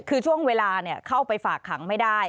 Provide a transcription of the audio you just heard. คือช่วงเวลาเข้าไปฝากขังไม่ได้